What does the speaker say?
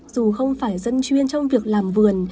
dù không phải dân chuyên trong việc làm vườn